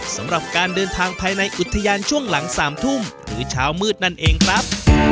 สำหรับการเดินทางภายในอุทยานช่วงหลัง๓ทุ่มหรือเช้ามืดนั่นเองครับ